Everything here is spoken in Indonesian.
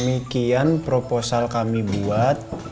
demikian proposal kami buat